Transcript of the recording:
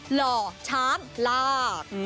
หล่อช้างลาก